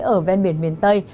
ở ven biển miền tây